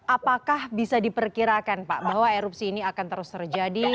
apakah bisa diperkirakan pak bahwa erupsi ini akan terus terjadi